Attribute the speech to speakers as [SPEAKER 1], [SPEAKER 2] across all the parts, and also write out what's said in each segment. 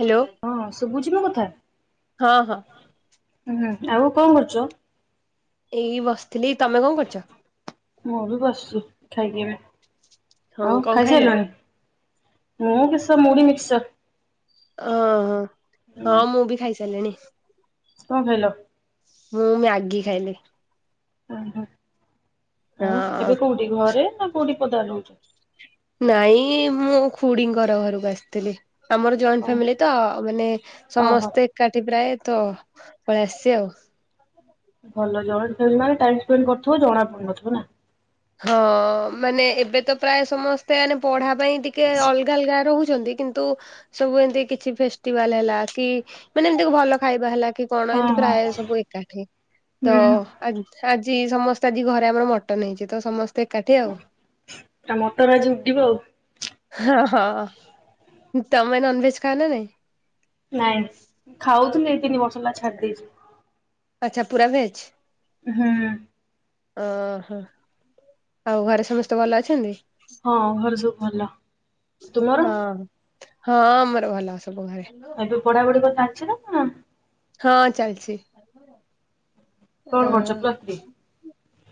[SPEAKER 1] Hello
[SPEAKER 2] ହଁ ଶୁବୁଚି ମୋ କଥା
[SPEAKER 1] ହଁ ହଁ
[SPEAKER 2] ହୁଁ ଆଉ କଁ କରୁଚ?
[SPEAKER 1] ଏଇ ବସିଥିଲି ତମେ କଁ କରୁଚ?
[SPEAKER 2] ମୁଁ ବି ବସିଚି ଖାଇକି ଏବେ।
[SPEAKER 1] ହଁ
[SPEAKER 2] ଆଉ
[SPEAKER 1] କଣ ଖାଇଲ?
[SPEAKER 2] ଖାଇସାଇଲଣିି? ମୁଁ କିସ ମୁଢ଼ି ମିିକ୍ଚର୍।
[SPEAKER 1] ଓହୋ ହଁ ମୁଁ ବି ଖାଇସାଇଲେଣି।
[SPEAKER 2] କଁ ଖାଇଲ?
[SPEAKER 1] ମୁଁ ମ୍ୟାଗି ଖାଇଲି।
[SPEAKER 2] ଓହୋ। ଆଉ
[SPEAKER 1] ହଁ
[SPEAKER 2] ଏବେ କୋଉଟି ଘରେ ନା କୋଉଠି ପଦାରେ ରହୁଚ?
[SPEAKER 1] ନାଇଁ ମୁଁ ଖୁଡିଙ୍କର ଘରକୁ ଆସିଥିଲି। ଆମର ଜଏଣ୍ଟ
[SPEAKER 2] ଓ
[SPEAKER 1] ଫ୍ୟାମିଲି ତ ମାନେ
[SPEAKER 2] ଓହୋ।
[SPEAKER 1] ସମସ୍ତେ ଏକାଠି ପ୍ରାୟେ ତ ପଳେଇ ଆସିଚି ଆଉ।
[SPEAKER 2] ଭଲ ଜଏଣ୍ଟ ଫାମିଲି ମାନେ ଟାଇମ୍ ସ୍ପେଣ୍ଡ୍ କରୁଥିବ ଜଣା ପଡୁନଥିବ ନା?
[SPEAKER 1] ହଁ ମାନେ ଏବେ ତ ପ୍ରାଏ ସମସ୍ତେ ମାନେ ପଢା ପାଇଁ ଟିକେ ଅଲ୍ ଅଲଗା ଅଲଗା ରହୁଚନ୍ତି କିନ୍ତୁ ସବୁ ଏମିତି କିଛି ଫେଷ୍ଟିବାଲ ହେଲା କି ମାନେ ଏମିତି ଭଲ ଖାଇବା ହେଲା କି କଣ
[SPEAKER 2] ହଁ
[SPEAKER 1] ଏମିତି
[SPEAKER 2] ହଁ
[SPEAKER 1] ପ୍ରାଏ ସବୁ ଏକାଠି ତ
[SPEAKER 2] ହୁଁ
[SPEAKER 1] ଆଜି ସମସ୍ତେ ଆଜି ଘରେ ଆମର ମଟନ ହେଇଚି ତ ସମସ୍ତେ ଏକାଠି ଆଉ।
[SPEAKER 2] ତା ମଟର ଆଜି ଉଡିବ ଆଉ।
[SPEAKER 1] ହଁ ହଁ ତମେ ନନ୍ଭେଜ୍ ଖାଅ ନା ନାଇଁ?
[SPEAKER 2] ନାଇଁ ଖାଉଥିଲି ଏଇ ତିନି ବର୍ଷ ହେଲା ଛାଡି ଦେଇଚି।
[SPEAKER 1] ଆଚ୍ଛା ପୁରା ଭେଜ୍?
[SPEAKER 2] ହୁଁ।
[SPEAKER 1] ଓହୋ। ଆଉ ଘରେ ସମସ୍ତେ ଭଲ ଅଛନ୍ତି?
[SPEAKER 2] ହଁ ଘରେ ସବୁ ଭଲ। ତୁମର
[SPEAKER 1] ହଁ ହଁ ଆମର ଭଲ ଅଛସବୁ ଘରେ।
[SPEAKER 2] ତୋ ପଢା ପଢି କଁ ଚାଲିଚି ନା କଣ?
[SPEAKER 1] ହଁ ଚାଲିଛି। ଅ
[SPEAKER 2] କଣ କରୁଚ ପଲ୍ସ ଥ୍ରୀ?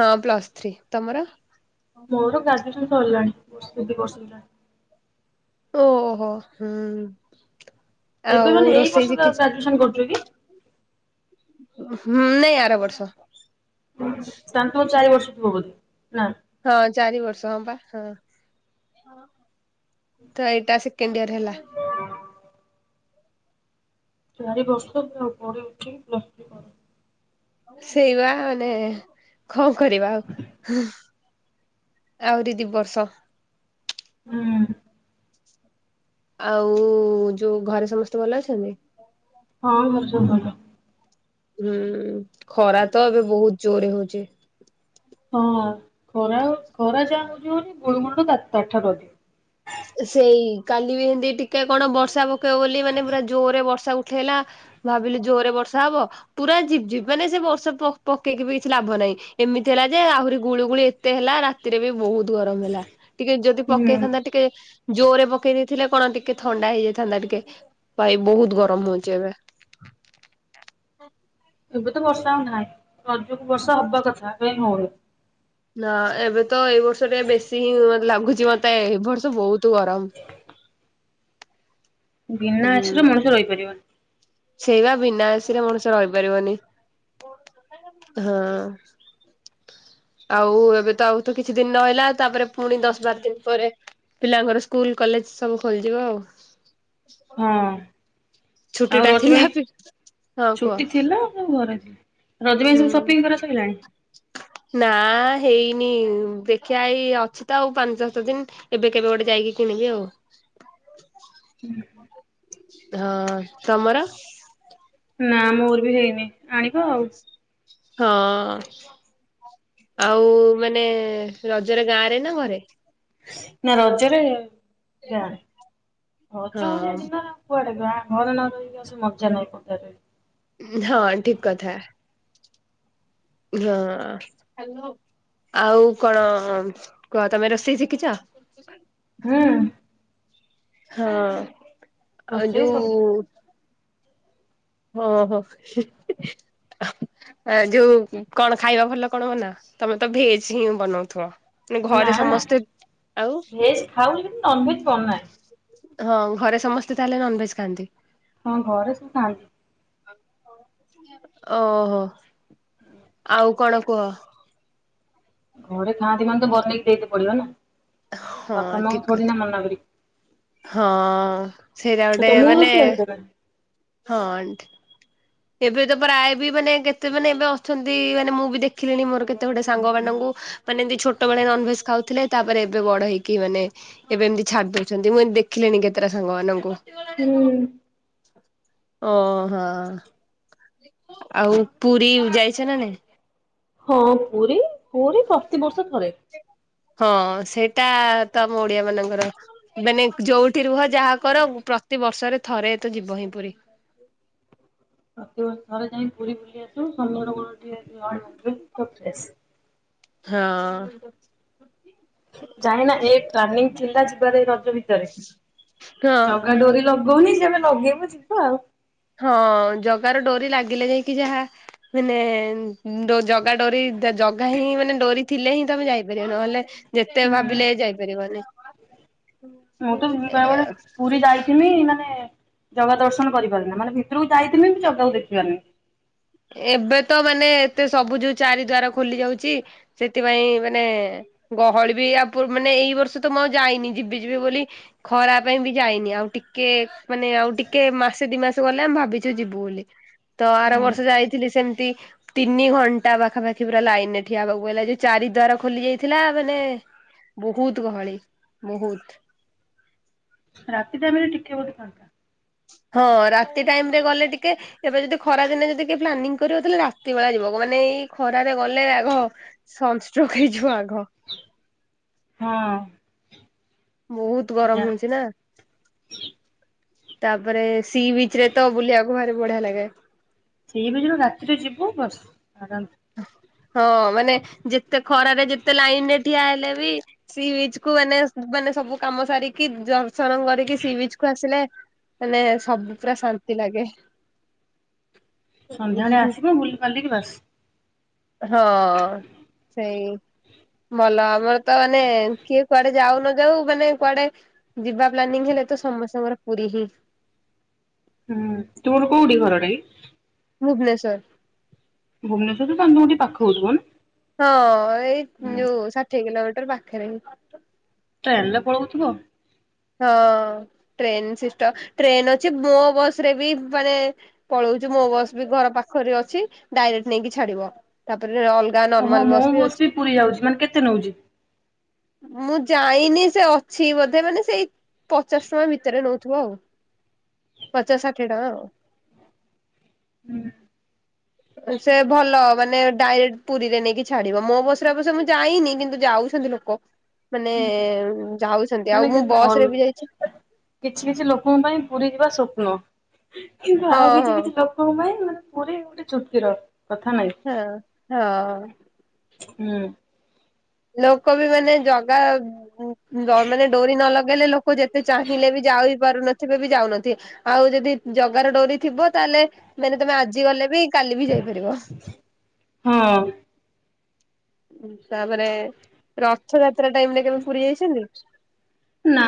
[SPEAKER 1] ହଁ ପ୍ଲସ୍ ଥ୍ରୀ ତମର?
[SPEAKER 2] ମୋର ଗ୍ରାଯ୍ୟୁସନ୍ ସଇଲାଣି ପିଜି କରୁଚି ଏଇନା।
[SPEAKER 1] ଓହୋ ହୁଁ।
[SPEAKER 2] ଏବେ
[SPEAKER 1] ଆଉ
[SPEAKER 2] ମାନେ ଏଇ
[SPEAKER 1] ରୋଷେଇ
[SPEAKER 2] ବର୍ଷ
[SPEAKER 1] ଶିଖିଛି?
[SPEAKER 2] ଗ୍ରାଜୁସନ୍ କପ୍ଲିଟି?
[SPEAKER 1] ହୁଁ ନାଇଁ ଆର ବର୍ଷ।
[SPEAKER 2] ତାଲେ ତମର ଚାରି ବର୍ଷ ଥିବ ବୋଧେ?
[SPEAKER 1] ହଁ ଚାରି ବର୍ଷ ହବା ହଁ। ତ ଏଇଟା ସେକେଣ୍ଡ ଇୟର ହେଲା।
[SPEAKER 2] ଆଉ ଚାରି ବର୍ଷ ପୁରା ପଡି ଉଠିକି [unintelligible] କର।
[SPEAKER 1] ସେଇବା ମାନେ କଣ କରିବା ଆଉ ହୁଁ। ଆହୁରିି ଦି ବର୍ଷ।
[SPEAKER 2] ହୁଁ।
[SPEAKER 1] ଆଉ ଯୋଉ ଘରେ ସମସ୍ତେ ଭଲ ଅଛନ୍ତି?
[SPEAKER 2] ହଁ ଘରେ ସବୁ ଭଲ।
[SPEAKER 1] ହୁଁ ଖରା ତ ଏବେ ବହୁତ ଜୋରେ ହଉଚି।
[SPEAKER 2] ହଁ ଖରାଉ ଖରା ଯା ହଉଚି ହଉଚି ଗୁଳୁମୁଳି ତା ତାଠାରୁ ଅଧିକ।
[SPEAKER 1] ସେଇ କାଲି ବି ଏମତି ଟିକେ କଣ ବର୍ଷା ପକେଇବ ବୋଲି ମାନେ ପୁରା ଜୋରେ ବର୍ଷା ଉ ଠେଇଲା ଭାବିଲି ଜୋରେ ବର୍ଷା ହବ ପୁରା ଝିପ୍ ଝିପ୍ ମାନେ ସେ ବର୍ଷା ପ ପକେଇକି ବି କିଛି ଲାଭ ନାହିଁ ଏମିତି ହେଲା ଯେ ଆହୁରି ଗୁଳୁଗୁଳି ଏ ତେ ହେଲା ରାତିରେ ବି ବହୁତ ଗରମ ହେଲା ଟିକେ ଯଦି
[SPEAKER 2] ହୁଁ
[SPEAKER 1] ପକେଇଥାନ୍ତା ଟିକେ ଜୋରେ ପକେଇ ଦେଇଥିଲେ କଣ ଟିକେ ଥଣ୍ଡା ହେଇଯାଇଥାନ୍ତା ଟିକେ ଭାଇ ବହୁତ ଗରମ ହଉଚି ଏବେ।
[SPEAKER 2] ଏବେ ତ ବର୍ଷା ଆଉ ନାହିଁ ରଜୁକୁ ବର୍ଷା ହବା କଥା ଏବେ କାଇଁ ହଉନି।
[SPEAKER 1] ନା ଏବେ ତ ଏଇ ବର୍ଷ ଟିକେ ବେଶୀ ହିଁ ମତେ ଲାଗୁଚି ମତେ ଏ ବର୍ଷ ବହୁତ ଗରମ।
[SPEAKER 2] ବିନା ଏ ସି ରେ
[SPEAKER 1] ହୁଁ
[SPEAKER 2] ମଣିଷ ରହିପାରିବନି।
[SPEAKER 1] ସେଇବା ବିନା ଏ ସି ରେ ମଣିଷ ରହିପାରିବନି ହଁ। ଆଉ ଏବେ ତ ଆଉ ତ କିଛି ଦିନି ରହିଲା ତାପରେ ପୁଣି ଦଶ ବାର ଦିନ୍ ପରେ ପିଲାଙ୍କର ସ୍କୁଲ, କଲେଜ ସବୁ ଖୋଲିଯିବ ଆଉ।
[SPEAKER 2] ହଁ।
[SPEAKER 1] ଛୁଟି
[SPEAKER 2] ଆଉ
[SPEAKER 1] ଟା
[SPEAKER 2] ରଜ
[SPEAKER 1] ଥିଲା
[SPEAKER 2] ପାଇଁ
[SPEAKER 1] ବି ହଁ କୁହ
[SPEAKER 2] ଛୁଟି ଥିଲା ଆପଣଙ୍କ ଘରେ ରଜ ପାଇଁ
[SPEAKER 1] ହୁଁ
[SPEAKER 2] ସବୁ ସପିଙ୍ଗ୍ କରା ସଇଲାଣି?
[SPEAKER 1] ନା ହେଇନି ଦେଖିଆ ଏଇ ଅଛି ତ ଆଉ ପାଞ୍ଚ୍ ସାତ ଦିନ୍ ଏବେ କେବେ ଗୋଟେ ଯାଇକି କିଣିବି ଆଉ। ହଁ ତମର?
[SPEAKER 2] ନା ମୋର ବି ହେଇନି ଆଣିବ ଆଉ।
[SPEAKER 1] ହଁ। ଆଉ ମାନେ ରଜରେ ଗାଁରେ ନା ଘରେ?
[SPEAKER 2] ନା ରଜରେ ଗାଁ ରେ ରଜ ଭଳିଆ
[SPEAKER 1] ହଁ
[SPEAKER 2] ଦିନ କୁଆଡେ ଗାଁ ଘରେ ନରହିକି ଆଉ ସେ ମଜା ନାହିଁ ପଦାରେ।
[SPEAKER 1] ଉଁ ହଁ ଠିକ୍ କଥା। ହଁ। ହାଲୋ ଆଉ କଣ କୁହ ତମେ ରୋଷେଇ ଶିଖିଚ?
[SPEAKER 2] ହୁଁ।
[SPEAKER 1] ହଁ ଆ
[SPEAKER 2] ରୋଷେଇ
[SPEAKER 1] ଯୋଉ
[SPEAKER 2] ସବୁ
[SPEAKER 1] ହଁ ହଁ ହିଁ ହିଁ। ଆ ଯୋଉ କଣ ଖାଇବା ଭଲ କଣ ବନା ତମେ ତ ଭେଜ ହିଁ ବନଉଥିବ।
[SPEAKER 2] ନା
[SPEAKER 1] ଘରେ
[SPEAKER 2] ନା
[SPEAKER 1] ସମସ୍ତେ ଆଉ
[SPEAKER 2] ଭେଜ ଖାଉଛି କିନ୍ତୁ ନନଭେଜ ବନାଏ।
[SPEAKER 1] ହଁ ଘରେ ସମସ୍ତେ ତାହେଲେ ନନଭେଜ୍ ଖାଆନ୍ତି?
[SPEAKER 2] ହଁ ଘରେ ସବୁ ଖାଆନ୍ତି।
[SPEAKER 1] ଓହୋ ଆଉ କଣ କୁହ?
[SPEAKER 2] ଘରେ ଖାଆନ୍ତି ମାନେ ତ ବନେଇକି ଦେଇତେ ପଡିବ ନା!
[SPEAKER 1] ହଁ
[SPEAKER 2] ବାପା ମା
[SPEAKER 1] ଠିକ
[SPEAKER 2] ଙ୍କୁ ଥୋଡ଼ି
[SPEAKER 1] କଥା
[SPEAKER 2] ନା ମନା କରିବି।
[SPEAKER 1] ହଁ ସେଇଟା ଗୋଟେ
[SPEAKER 2] ତମକୁ
[SPEAKER 1] ମାନେ
[SPEAKER 2] ରୋଷେଇ ଆସେ ନା?
[SPEAKER 1] ହଁ। ଏବେ ତ ପ୍ରାୟ ବି ମାନେ କେତେ ମାନେ ଏବେ ଅଛନ୍ତି ମାନେ ମୁଁ ବି ଦେଖିଲିଣି ମୋର କେତେ ଗୁଟେ ସାଙ୍ଗ ମାନଙ୍କୁ ମାନେ ଏମିତି ଛୋଟ ବେଳେ ନନ୍ଭେଜ୍ ଖାଉଥିଲେ ତାପରେ ଏବେ ବଡ଼ ହେଇକି ମାନେ ଏବେ ଏମିତି ଛାଡ଼ି ଦଉଛନ୍ତି ମୁଁ ଏମିତି ଦେଖିଲିଣି କେତେଟା ସାଙ୍ଗମାନଙ୍କୁ।
[SPEAKER 2] ହୁଁ
[SPEAKER 1] ଓ ହଁ। ଆଉ ପୁରୀ ଯାଇଛ ନା ନାଇଁ?
[SPEAKER 2] ହଁ ପୁରୀ ପୁରୀ ପ୍ରତିିବର୍ଷ ଥରେ।
[SPEAKER 1] ହଁ ସେଇଟା ତ ଆମ ଓଡ଼ିଆ ମାନଙ୍କର ମାନେ ଯୋଉଠି ରୁହ ଯାହା କର ପ୍ରତିିବର୍ଷରେ ଥରେ ତ ଯିବ ହିଁ ପୁରୀ।
[SPEAKER 2] ଆ ଥରେ ଯାଇକି ପୁରୀ ବୁଲି ଆସୁସମୁଦ୍ର କୂଳରେ ଟିକେ ଲହଡ଼ି ଭାଙ୍ଗି ଆସୁ [unintelligible]
[SPEAKER 1] ହଁ।
[SPEAKER 2] ଯାାଇନା ଏ ପାନିଂ ଥିଲା ଯିବାରେ ଏ ରଜ ଭିତରେ
[SPEAKER 1] ହଁ
[SPEAKER 2] ଜଗା ଡୋରି ଲଗଉନି ଯେବେ ଲଗେଇବ ଯିବୁ ଆଉ।
[SPEAKER 1] ହଁ ଜଗାର ଡୋରି ଲାଗିଲେ ଯାଇକି ଯାହା ମାନେ ଡୋ ଜଗ୍ ଜଗା ଡୋରି ଜଗା ହିଁ ମାନେ ଡୋରି ଥିଲେ ହିଁ ତମେ ଯାଇପାରିବ ନହେଲେ ନାହିଁ ଯେତେ ଭାବିଲେ
[SPEAKER 2] ହୁଁ
[SPEAKER 1] ଯାଇପାରିବନି।
[SPEAKER 2] ମୁଁ ତ ଯିବାବେଳେ ପୁରୀ ଯାଇ ଥିମି ମାନେ ଜଗା ଦର୍ଶନ କରିପାରେନା ମାନେ ଭିତରକୁ ଯାଇଥିମି କିନ୍ତୁ ଜଗାକୁ ଦେଖିପାରେନା।
[SPEAKER 1] ଏବେ ତ ମାନେ ଏତେ ସବୁ ଯୋଉ ଚାରି ଦ୍ୱାର ଖୋଲି ଯାଉଛି ସେଥିପାଇଁ ମାନେ ଗହଳି ବି ଆ ପୂର୍ ମାନେ ଏଇ ବର୍ଷ ତ ମୁଁ ଆଉ ଯାଇନି ଯିବି ଯିବି ବୋଲି ଖରା ପାଇଁ ବି ଯାଇନି ଆଉ ଟିକେ ମାନେ ଆଉ ଟିକେ ମାସେ ଦି ମାସ ଗଲେ ଆମେ ଭାବିଛୁ ଯିବୁ ବୋଲି। ତ ଆର ବର୍ଷ
[SPEAKER 2] ହୁଁ
[SPEAKER 1] ଯାଇଥିଲି ସେମିତି ତିନି ଘଣ୍ଟା ପାଖାପାଖି ପୁରା ଲାଇନ୍ ରେ ଠିଆ ହବାକୁ ପଇଲା ଯୋଉ ଚାରି ଦ୍ୱାର ଖୋଲି ଯାଇଥିଲା ମାନେ ବହୁତ୍ ଗହଳି ବହୁତ୍।
[SPEAKER 2] ରାତି ଟାଇମ୍ ରେ ଟିକେ ବୋଧେ ଫାଙ୍କା।
[SPEAKER 1] ହଁ ରାତି ଟାଇମ୍ ରେ ଗଲେ ଟିକେ ଏବେ ଯଦି ଖରା ଦିନେ ଯଦି କିଏ ପ୍ଲାନିଂ କରିବ ତାହେଲେ ରାତି ବେଳା ଯିବ ମାନେ ଏଇ ଖରାରେ ଗଲେ ଆଗ ସନ୍ଷ୍ଟ୍ରୋକ୍ ହେଇଯିବ ଆଗ।
[SPEAKER 2] ହଁ।
[SPEAKER 1] ବହୁତ୍ ଗରମ
[SPEAKER 2] ଯା
[SPEAKER 1] ହଉଛି ନା। ତାପରେ ସି ବିଚ୍ ରେ ତ ବୁଲିବାକୁ ଭାରି ବଢିଆ ଲାଗେ।
[SPEAKER 2] ସି ବିଚ୍ କୁ ରାତିରେ ଯିବୁ ବସିବୁ ଆରାମ୍ ରେ।
[SPEAKER 1] ହଁ ମାନେ ଯେତେ ଖରାରେ ଯେତେ ଲାଇନ୍ ରେ ଠିଆ ହେଲେ ବି ସି ବିଚ୍ କୁ ମାନେ ମାନେ ସବୁ କାମ ସାରିକି ଦର୍ଶନ କରିକି ସି ବିଚ୍ କୁ ଆସିଲେ ମାନେ ସବୁ ପୁରା ଶାନ୍ତି ଲାଗେ।
[SPEAKER 2] ସନ୍ଧ୍ୟାବେଳେ ଆସିବ ବୁଲିିବାଲିକି ବାସ୍।
[SPEAKER 1] ହଁ ସେଇ ଭଲ ଆମର ତ ମାନେ କିଏ କୁଆଡେ ଯାଉ ନ ଯାଉ ମାନେ କୁଆଡେ ଯିବା ପ୍ଲାନିଂ ହେଲେ ତ ସମସ୍ତଙ୍କର ପୁରୀ ହିଁ।
[SPEAKER 2] ହୁଁ ତୋର କୋଉଠି ଘର ଟାକି?
[SPEAKER 1] ଭୁବନେଶ୍ୱର
[SPEAKER 2] ଭୁବନେଶ୍ୱର୍ [unintelligible]
[SPEAKER 1] ହଁ ଏଇ ଯଉ ଷାଠିଏ କିଲୋମିଟର ପାଖରେ ହିଁ।
[SPEAKER 2] ଟ୍ରେନ୍ ରେ ପଳଉଥିବ।
[SPEAKER 1] ହଁ ଟ୍ରେନ୍ ସିଷ୍ଟ ଟ୍ରେନ୍ ଅଛି ମୋ ବଶ୍ ରେ ବି ମାନେ ପଳଉଛି ମୋ ବସ୍ ବି ଘର ପାଖରେ ଅଛି ଡାଇରେକ୍ଟ ନେଇକି ଛାଡିବ ତାପରେ ଅଲ୍
[SPEAKER 2] ଓହୋ ମୋ ବସ୍ ବି ପୁରୀ ଯାଉଛି ମାନେ କେତେ ନଉଛି?
[SPEAKER 1] ମୁଁ ଯାଇନି ସେ ଅଛି ବୋଧେ ମାନେ ସେଇ ପଚାଶ ଟଙ୍କା ଭିତରେ ନଉଥିବ ଆଉ ପଚାଶ ଷାଠିଏ ଟଙ୍କା ଆଉ।
[SPEAKER 2] ହୁଁ।
[SPEAKER 1] ସେ ଭଲ ମାନେ ଡାଇରେକ୍ଟ ପୁରୀରେ ନେଇକି ଛାଡିବ ମୋ ବସରେ ଅବଶ୍ୟ ମୁଁ ଯାଇନି କିନ୍ତୁ ଯାଉଛନ୍ତି ଲୋକ ମାନେ ଯାଉଛନ୍ତି ଆଉ
[SPEAKER 2] ମାନେ
[SPEAKER 1] ମୁଁ
[SPEAKER 2] କିନ୍ତୁ ଭଲ
[SPEAKER 1] ବସରେ ବି ଯାଇଛି।
[SPEAKER 2] କିଛି କିଛି ଲୋକଙ୍କ ପାଇଁ ପୁରୀ ଯିବା ସ୍ୱପ୍ନ କିନ୍ତୁ
[SPEAKER 1] ହଁ
[SPEAKER 2] ଆଉ କିଛି
[SPEAKER 1] ହଁ
[SPEAKER 2] କିଛି ଲୋ ଲୋକଙ୍କ ପାଇଁ ମାନେ ପୁରୀ ଗୋଟେ ଚୁଟକିର କଥା ନାହିଁ?
[SPEAKER 1] ହଁ ହଁ
[SPEAKER 2] ହୁଁ
[SPEAKER 1] ଲୋକ ବି ମାନେ ଜଗା ଦ ମାନେ ଡୋରି ନ ଲଗେଇଲେ ଲୋ କ ଯେତେ ଚାହିଁଲେ ବି ଯାଉ ପାରୁନଥିବେ ବି ଯାଉନଥିବେ ଆଉ ଯଦି ଜଗାର ଡୋରି ଥିବ ତାହେଲେ ମାନେ ତମେ ଆଜି ଗଲେ ବି କାଲି ବି ଯାଇପାରିବ।
[SPEAKER 2] ହଁ।
[SPEAKER 1] ତାପରେ ରଥଯାତ୍ରା ଟାଇମରେ କେବେ ପୁରୀ ଯାଇଛନ୍ତି?
[SPEAKER 2] ନା।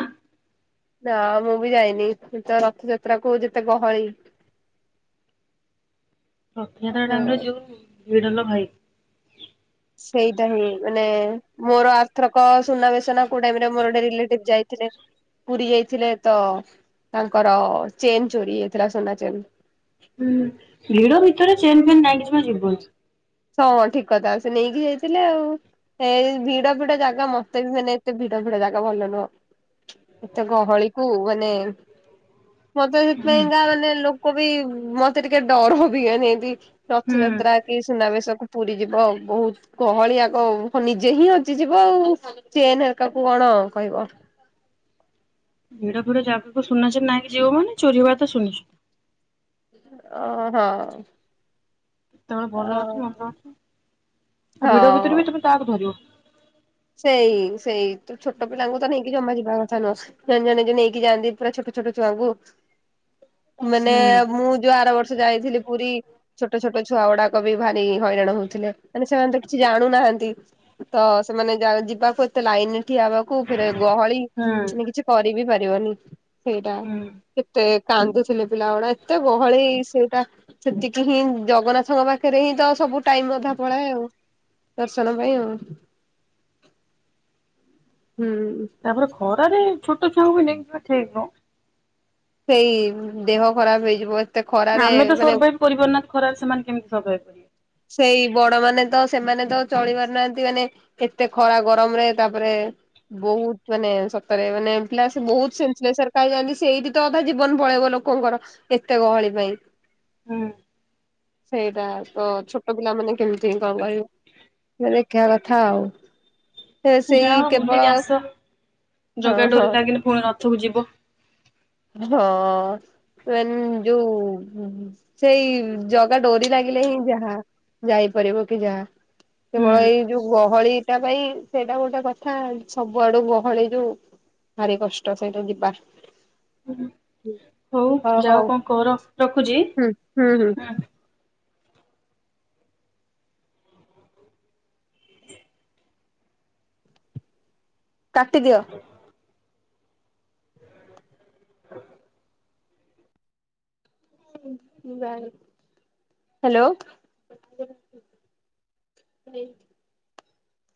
[SPEAKER 1] ନା ମୁଁ ବି ଯାଇନି ତ ରଥଯାତ୍ରାକୁ ଯେତେ ଗହଳି [inaudible]
[SPEAKER 2] ରଥଯାତ୍ରା
[SPEAKER 1] ହଁ
[SPEAKER 2] ଟାଇମରେ ଯୋଉ ଭିଡ ଲୋ ଭାଇ
[SPEAKER 1] ସେଇଟା ହିଁ ମାନେ ମୋର ଆର ଥରକ ସୁନାବେଶ ନା କୋଉ ଟାଇମ୍ ରେ ମୋର ଗୋଟେ ରିଲେଟିଭ୍ ଯାଇଥିଲେ? ପୁରୀ ଯାଇଥିଲେ ତ ତାଙ୍କର ଚେନ୍ ଚୋରି ହେଇଥିଲା ସୁନା ଚେନ୍।
[SPEAKER 2] ହୁଁ ଭିଡ ଭିତରେ ଚେନ୍ ଫେନ୍ ନାଇଁକି ଜମା ଯିବନି।
[SPEAKER 1] ହଁ ଠିକ୍ କଥା ସେ ନେଇକି ଯାଇଥିଲେ ଆଉ। ଏ ଭିଡ ଭିଡ ଜାଗା ମତେ ବି ମାନେ ଏତେ ଭିଡ ଭିଡ ଜାଗା ଭଲ ନୁହଁ। ଏତେ ଗହଳିକୁ ମାନେ ମତେ
[SPEAKER 2] ହୁଁ
[SPEAKER 1] ସେଥିପାଇଁକା ମାନେ ଲୋକ ବି ମତେ ଟିକେ ଡର ବି ମାନେ ଏମିତି
[SPEAKER 2] ହୁଁ।
[SPEAKER 1] ରଥଯାତ୍ରା କି ଶକୁ ପୁରୀ ଯିବ ଅଉ ବହୁତ୍ ଗହଳି ଆଗ ନିଜେ ହିଁ ହଜିଯିବ ଆଉ। ଚେନ୍ ହେରିକାକୁ କଣ କହିବ?
[SPEAKER 2] ଭିଡ ଫିଡ ଜାଗାକୁ ସୁୁନା ଚେନ୍ ନାଇଁକି ଯିବ ମାନେ ଚୋରି ହବାତ ସୁନିଶ୍ଚି
[SPEAKER 1] ଓ ହଁ।
[SPEAKER 2] ସେତବେଳେ
[SPEAKER 1] ଅ
[SPEAKER 2] ଭଲ ଅଛି ମନ୍ଦ ଅଛି ଆ ଭିଡ ଭିତରେ
[SPEAKER 1] ହଁ
[SPEAKER 2] ବି ତମେ କାହାକୁ ଧରିବ?
[SPEAKER 1] ସେଇ ସେଇ ତୁ ଛୋଟ ପିଲାଙ୍କୁ ତ ନେଇକି ଜମା ଯିବା କଥା ନୁହଁ। ଜଣେ ଜଣେ ଯିଏ ନେଇକି ଯାଆନ୍ତି ପୁରା ଛୋଟ ଛୋଟ ଛୁଆଙ୍କୁ ମାନେ
[SPEAKER 2] ହୁଁ
[SPEAKER 1] ମୁଁ ଯୋଉ ଆର ବର୍ଷ ଯାଇଥିଲି ପୁରୀ ଛୋଟ ଛୋଟ ଛୁଆ ଗୁଡା କ ବି ଭାରି ହଇରାଣ ହଉଥିଲେ ମାନେ ସେମାନେ ତ କିଛି ଜାଣୁନାହାଁନ୍ତି ତ ସେମାନେ ଯାଉ ଯିବାକୁ ଏତେ ଲାଇନରେ ଠିଆ ହବାକୁ ଫେରେ ଗହଳି
[SPEAKER 2] ହୁଁ
[SPEAKER 1] ସେ କିଛି କରିବିି ପାରିବନି। ସେଇଟା
[SPEAKER 2] ହୁଁ।
[SPEAKER 1] କେତେ କାନ୍ଦୁଥିଲେ ପିଲା ଗୋଡା ଏତେ ଗହଳି ସେଇଟା ସେତିକି ହିଁ ଜଗନ୍ନାଥଙ୍କ ପାଖରେ ହିଁ ତ ସବୁ ଟାଇମ୍ ଅଧା ପଳାଏ ଆଉ। ଦର୍ଶନ ପାଇଁ ଆଉ ହୁଁ।
[SPEAKER 2] ତାପରେ ଖରାରେ ଛୋଟ ଛୁଆଙ୍କୁ ବି ନେଇକି ଯିବା ଠିକ୍ ନୁହଁ।
[SPEAKER 1] ସେଇ ଦେହ ଖରାପ ହେଇଯିବ ଖରାରେ
[SPEAKER 2] ଆମେ ତ
[SPEAKER 1] ମାନେ
[SPEAKER 2] ସର୍ଭାଇଭ୍ କରିବପାରୁନୁ ଖରାରେ ସେମାନେ କେମିତି ସର୍ଭାଇଭ କରିବେ।
[SPEAKER 1] ସେଇ ବଡ ମାନେ ତ ସେମାନେ ତ ଚଳି ପାରୁନାହାନ୍ତି ମାନେ ଏତେ ଖରା ଗରମରେ ତାପରେ ବହୁତ ମାନେ ସତରେ ମାନେ ପିଲା ସେ ବହୁତ [unintelligible] ଖାନ ସେଇଠି ତ ଅଧା ଜୀବନ ପଳେଇବ ଲୋକ ଲୋକଙ୍କର ଏତେ ଗହଳି ପାଇଁ।
[SPEAKER 2] ହୁଁ।
[SPEAKER 1] ସେଇଟା ତ ଛୋଟ ପିଲା ମାନେ କେମିତି କଣ ରହିବେ ସେ ଦେଖିବା କଥା ଆଉ। ସେ
[SPEAKER 2] ହୁଁ
[SPEAKER 1] ସେଇ କେବଳ ହଁ
[SPEAKER 2] ଜୋଗା
[SPEAKER 1] ହଁ
[SPEAKER 2] ଡୋରିରେ ଲାଗିନେ ପୁଣି ରଥକୁ ଯିବ।
[SPEAKER 1] ହଁ ମଞଜୁ [unintelligible] ସେଇ ଜଗା ଡୋରି ଲାଗିଲେ ହିଁ ଯାହା ଯାଇପାରିବ କି ଯାହା।
[SPEAKER 2] ହୁଁ
[SPEAKER 1] କେବଳ ଏଇ ଯୋଉ ଗହଳିଟା ପାଇଁ ସେଇଟା ଗୋଟେ କଥା ସବୁଆଡୁ ଗହଳି ଯୋଉ ଭାରି କଷ୍ଟ ସେଇଟୁ ଯିବା।
[SPEAKER 2] ହଉ
[SPEAKER 1] ହଁ
[SPEAKER 2] ଯାଅ
[SPEAKER 1] ହଉ
[SPEAKER 2] କଣ କର? ରଖୁଚି ହୁଁ।
[SPEAKER 1] କାଟିଦିଅ।
[SPEAKER 2] [inaudible] [inaudible]
[SPEAKER 1] ହ୍ୟାଲୋ। [unintelligible]